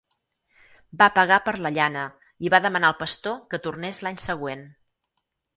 Va pagar per la llana i va demanar al pastor que tornés l'any següent.